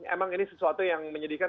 emang ini sesuatu yang menyedihkan